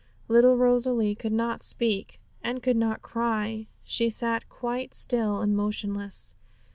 Little Rosalie could not speak and could not cry; she sat quite still and motionless.